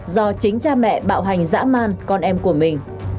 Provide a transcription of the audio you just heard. do chính cha mẹ bạo hành giãn